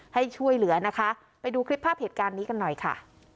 ให้ช่วยเหลือนะคะไปดูคลิปภาพเหตุการณ์นี้กันหน่อยค่ะ